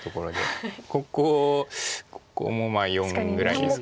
ここここも４ぐらいですか。